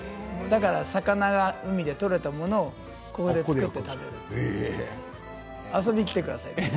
魚は海からとれたものをここで作って食べる遊びに来てください。